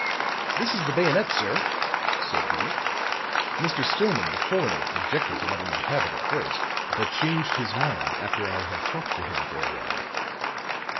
"This is the bayonet, sir," said he. "Mr. Stillman, the coroner, objected to letting me have it at first, but changed his mind after I had talked to him for a while."